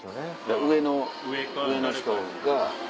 上の上の人が。